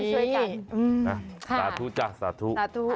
ต้องได้อย่างงี้ช่วยกันสาธุจ๊ะสาธุ